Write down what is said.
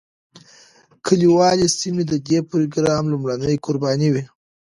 کلیوالي سیمې د دې پروګرام لومړنۍ قربانۍ وې.